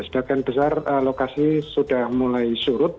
sebagian besar lokasi sudah mulai surut